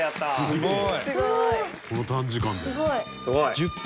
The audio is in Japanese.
すごい！